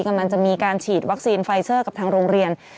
กำลังจะมีการฉีดวัคซีนไฟเซอร์กับทางโรงเรียน